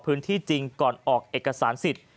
พื้นที่จริงก่อนออกเอกสารสิทธิ์